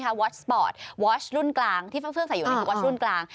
เป็นรุ่นกลางที่เพิ่งใส่อยู่ในรุ่นกลาง